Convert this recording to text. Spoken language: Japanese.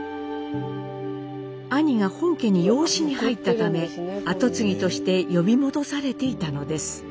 兄が本家に養子に入ったため跡継ぎとして呼び戻されていたのです。